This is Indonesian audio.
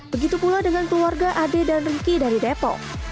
begitu pula dengan keluarga ade dan ruki dari depo